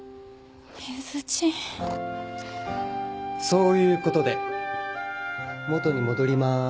そういうことで元に戻ります。